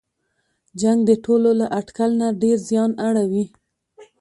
جنګ د ټولو له اټکل نه ډېر زیان اړوي.